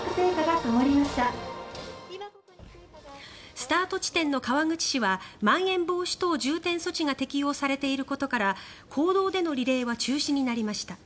スタート地点の川口市はまん延防止等重点措置が適用されていることから公道でのリレーは中止になりました。